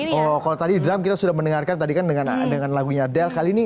ini kalau tadi jam kita sudah mendengarkan tadi kan dengan dengan lagunya del kali ini